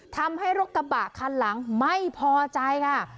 ทำให้รถกระบะคันหลังไม่พอใจค่ะ